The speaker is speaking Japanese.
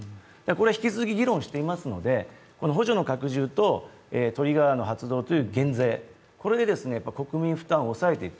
これは引き続き議論していますので補助の拡充とハリガーの発動という減税、これで国民負担を抑えていく。